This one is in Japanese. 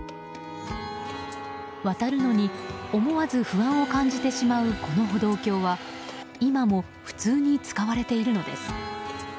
渡るのに思わず不安を感じてしまうこの歩道橋は今も普通に使われているのです。